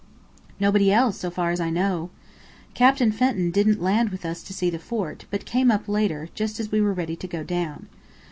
"Nobody else, so far as I know." "Captain Fenton didn't land with us to see the fort, but came up later, just as we were ready to go down.